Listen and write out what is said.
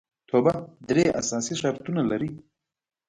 توبه درې اساسي شرطونه لري